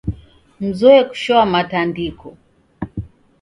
Mzoe kushoamatandiko.